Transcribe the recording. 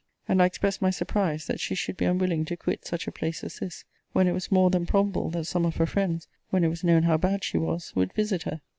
And I expressed my surprize, that she should be unwilling to quit such a place as this; when it was more than probable that some of her friends, when it was known how bad she was, would visit her.